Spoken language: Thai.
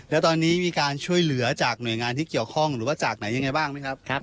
แล้วตอนนี้มีการช่วยเหลือจากหน่วยงานที่เกี่ยวข้องหรือว่าจากไหนยังไงบ้างไหมครับ